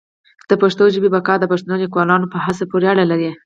د پښتو ژبي بقا د پښتنو لیکوالانو په هڅو پوري اړه لري.